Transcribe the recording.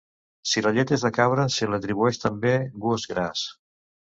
Si la llet és de cabra, se li atribueix també gust gras.